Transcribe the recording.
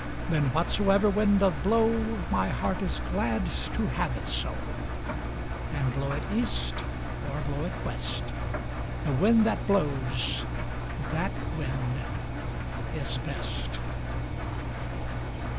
Then, whatsoever wind doth blow, My heart is glad to have it so; And blow it east or blow it west, The wind that blows, that wind is best.